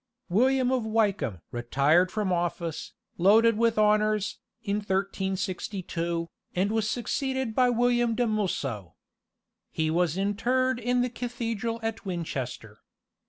William of Wykeham retired from office, loaded with honours, in 1362, and was succeeded by William de Mulso. He was interred in the cathedral at Winchester.